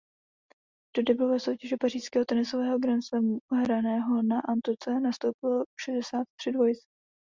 Do deblové soutěže pařížského tenisového grandslamu hraného na antuce nastoupilo šedesát tři dvojic.